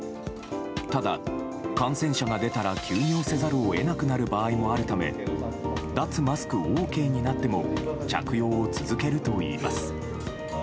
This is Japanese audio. ただ、感染者が出たら休業せざるを得なくなる場合もあるため脱マスクＯＫになっても着用を続けるといいます。